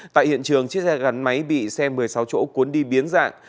tại hiện trường chiếc xe gắn máy bị xe một mươi sáu chỗ cuốn đi biến dạng